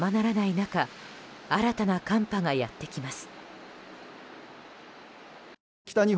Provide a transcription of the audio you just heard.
中新たな寒波がやってきます。